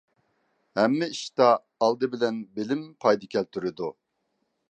ھەممە ئىشتا ئالدى بىلەن بىلىم پايدا كەلتۈرىدۇ.